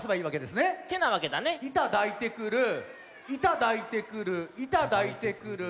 板抱いてくるいただいてくるいただいてくる。